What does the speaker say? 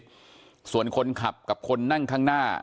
เสียชีวิตส่วนคนขับกับคนนั่งข้างหน้า